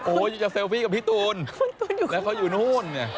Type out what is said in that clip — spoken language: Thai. โอ๊ยจะเซลฟี่กับพี่ตูนแล้วเขาอยู่นู้น